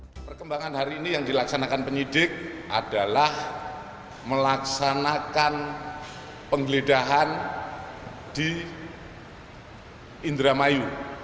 perkembangan hari ini yang dilaksanakan penyidik adalah melaksanakan penggeledahan di indramayu